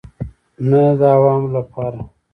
نه د عوامو لپاره.